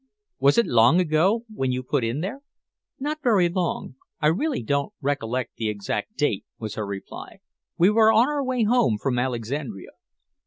Was it long ago when you put in there?" "Not very long. I really don't recollect the exact date," was her reply. "We were on our way home from Alexandria."